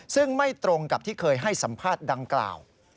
ซึ่งไม่ตรงกับที่เคยให้สัมภาษณ์ดังกล่าว